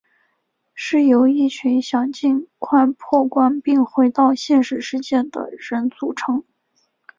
是由一群想尽快破关并回到现实世界的人组成。